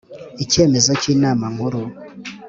Icyemezo cy inama nkuru